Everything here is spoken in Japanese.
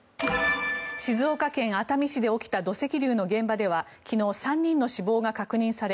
静岡県熱海市で起きた土石流の現場では昨日、３人の死亡が確認され